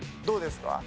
どうですか？